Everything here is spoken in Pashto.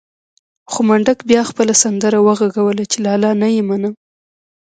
خو منډک بيا خپله سندره وغږوله چې لالا نه يې منم.